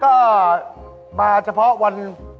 ก็มาเฉพาะวัน